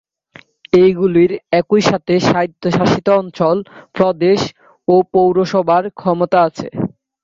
এগুলির একই সাথে স্বায়ত্তশাসিত অঞ্চল, প্রদেশ ও পৌরসভার ক্ষমতা আছে।